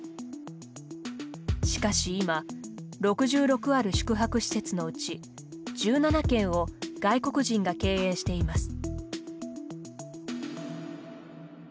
しかし今６６ある宿泊施設のうち１７件を外国人が経営しています。